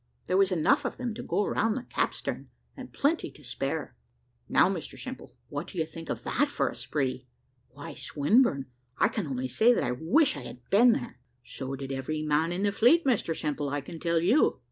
There was enough of them to go right round the capstern, and plenty to spare. Now, Mr Simple, what do you think of that for a spree?" "Why, Swinburne, I can only say that I wish I had been there." "So did every man in the fleet, Mr Simple, I can tell you."